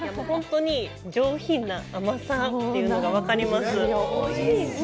本当に上品な甘さというのが分かります。